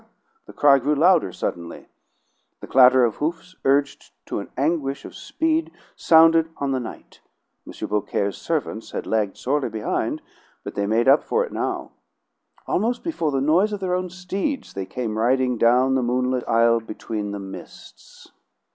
The cry grew louder suddenly. The clatter of hoofs urged to an anguish of speed sounded on the night. M. Beaucaire's servants had lagged sorely behind, but they made up for it now. Almost before the noise of their own steeds they came riding down the moonlit aisle between the mists.